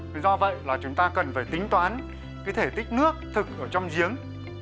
thì do vậy là chúng ta cần phải tính toán cái thể tích nước thực ở trong giếng